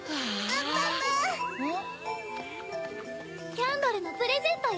キャンドルのプレゼントよ。